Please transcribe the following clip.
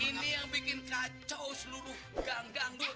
ini yang bikin kacau seluruh gang gang dulu